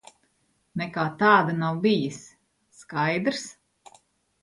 Nekā tāda nav bijis. Skaidrs?